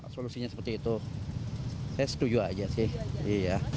solusinya seperti itu saya setuju aja sih